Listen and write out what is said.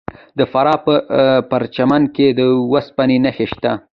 د فراه په پرچمن کې د وسپنې نښې شته.